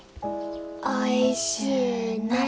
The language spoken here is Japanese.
おいしゅうなれ。